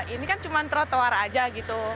ini kan cuma trotoar aja gitu